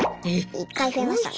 一回増えましたね。